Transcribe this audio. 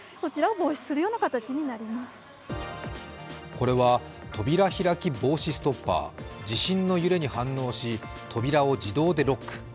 これは扉ひらき防止ストッパー地震の揺れに反応し、扉を自動でロック。